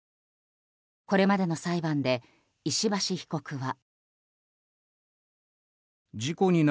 これまでの裁判で石橋被告は。